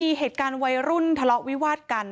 มีเหตุการณ์วัยรุ่นทะเลาะวิวาดกัน